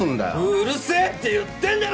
うるせえって言ってんだろ！